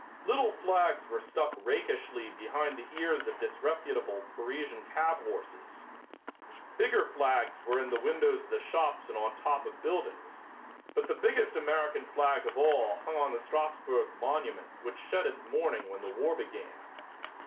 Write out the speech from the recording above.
Little flags were stuck rakishly behind the ears of disreputable Parisian cab horses; bigger flags were in the windows of the shops and on top of buildings, but the biggest American flag of all hung on the Strassburg monument which shed its mourning when the war began.